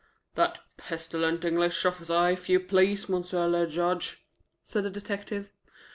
"That pestilent English officer, if you please, M. le Juge," said the detective.